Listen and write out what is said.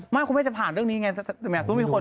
ไม่คุณไม่จะผ่านเรื่องนี้แสดงแหวะต้องมีคน